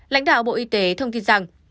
lãnh đạo bộ y tế thông tin rằng